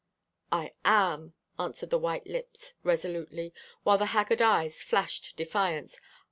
"I am!" answered the white lips resolutely, while the haggard eyes flashed defiance.